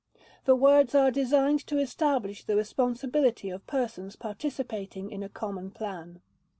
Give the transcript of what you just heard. The words are designed to establish the responsibility of persons participating in a common plan.